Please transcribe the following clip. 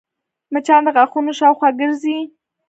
مچان د غاښونو شاوخوا ګرځي